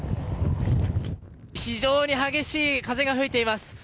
非常に激しい風が吹いています。